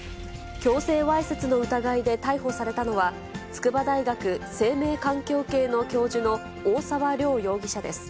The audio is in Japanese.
強制わいせつの疑いで逮捕されたのは、筑波大学生命環境系の教授の大沢良容疑者です。